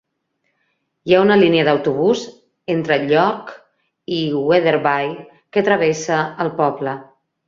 Hi ha una línia d'autobús entre York i Wetherby que travessa el poble.